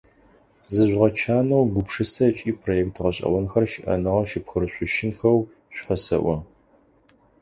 Зыжъугъэчанэу, гупшысэ ыкӏи проект гъэшӏэгъонхэр щыӏэныгъэм щыпхырышъущынхэу шъуфэсэӏо.